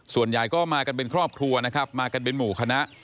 ส่วนใหญ่ก็มากันเป็นครอบครัวนะครับมากันเป็นหมู่คณะ